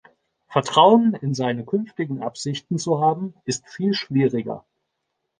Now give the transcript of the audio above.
Vertrauen in seine künftigen Absichten zu haben, ist viel schwieriger.